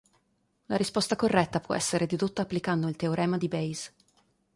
La risposta corretta può essere dedotta applicando il teorema di Bayes.